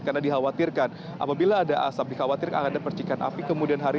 karena dikhawatirkan apabila ada asap dikhawatirkan ada percikan api kemudian hari